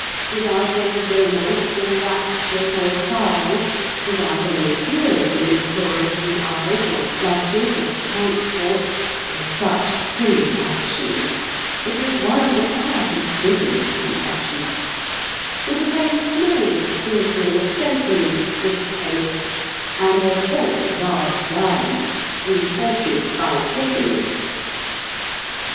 Without any romance, or raptures, or sighs, Without any tears in Miss Flora's blue eyes, Or blushes, or transports, or such silly actions, It was one of the quietest business transactions, With a very small sprinkling of sentiment, if any, And a very large diamond imported by Tiffany.